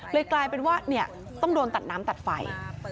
กลายเป็นว่าต้องโดนตัดน้ำตัดไฟ